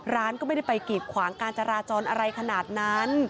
ร้านก็ไม่ได้ไปกีดขวางการจราจรอะไรขนาดนั้น